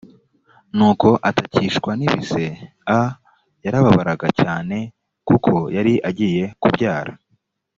nuko atakishwa n ibise a yarababaraga cyane kuko yari agiye kubyara